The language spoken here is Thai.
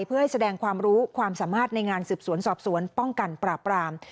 เพื่อให้แสดงความรู้ความสามารถในงานสืบสวนสอบสวนป้องกันปราบราม